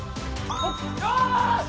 よし！